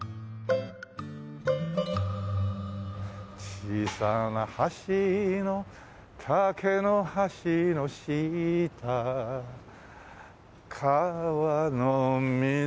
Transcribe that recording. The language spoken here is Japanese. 「小さな橋よ竹の橋の下」「川の水に」